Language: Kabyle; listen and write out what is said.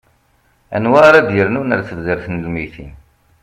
anwa ara d-yernun ar tebdart n lmeyytin